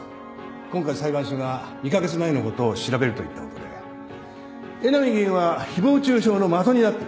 今回裁判所が２カ月前のことを調べるといったことで江波議員は誹謗中傷の的になっている。